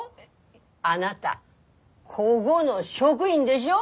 あなたこごの職員でしょ？